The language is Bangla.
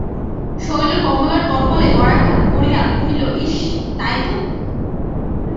শৈল কমলার কপোলে করাঘাত করিয়া কহিল, ইস, তাই তো!